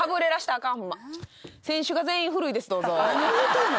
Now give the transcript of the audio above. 何を言うてんの？